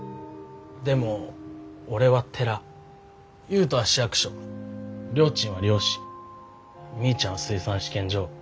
でも俺は寺悠人は市役所りょーちんは漁師みーちゃんは水産試験場。